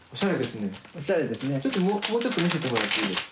もうちょっと見せてもらっていいですか。